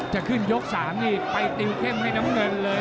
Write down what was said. จะขึ้นยก๓นี่ไปติวเข้มให้น้ำเงินเลย